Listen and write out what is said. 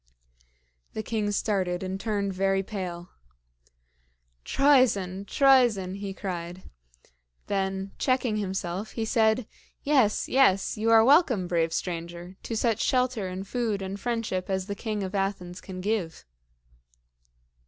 The king started and turned very pale. "Troezen! Troezen!" he cried. Then checking himself, he said, "Yes! yes! You are welcome, brave stranger, to such shelter and food and friendship as the King of Athens can give."